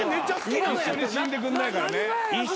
一緒に死んでくんないからね。